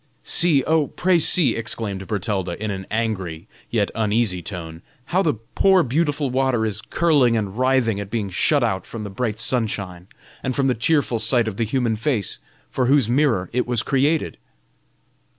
"See, oh, pray see," exclaimed Bertalda, in an angry, yet uneasy tone, "how the poor beautiful water is curling and writhing at being shut out from the bright sunshine and from the cheerful sight of the human face, for whose mirror it was created!"